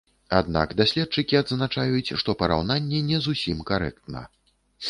Аднак даследчыкі адзначаюць, што параўнанне не зусім карэктна.